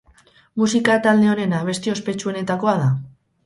Musika talde honen abesti ospetsuenetakoa da.